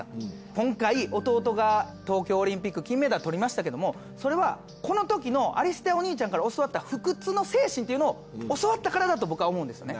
今回弟が東京オリンピック金メダルとりましたけどもそれはこのときのアリステアお兄ちゃんから教わった不屈の精神っていうのを教わったからだと僕は思うんですよね。